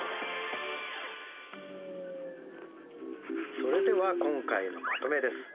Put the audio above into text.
それでは今回のまとめです。